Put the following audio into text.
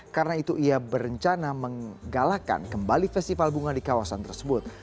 karena itu ia berencana menggalakkan kembali festival bunga di kawasan tersebut